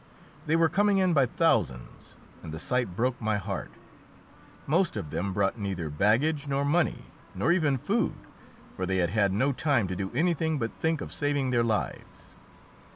They were coming in by thousands, and the sight broke my heart. Most of them brought neither baggage, nor money, nor even food, for they had had no time to do anything but think of saving their lives.